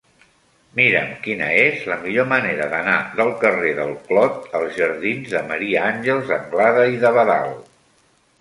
Mira'm quina és la millor manera d'anar del carrer del Clot als jardins de Maria Àngels Anglada i d'Abadal.